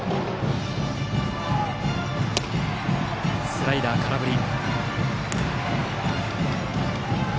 スライダー、空振り。